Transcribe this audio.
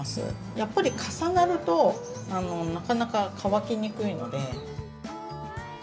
やっぱり重なるとなかなか乾きにくいので。